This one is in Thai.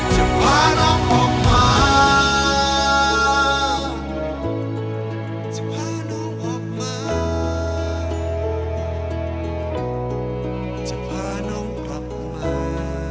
จะพาน้องกลับมา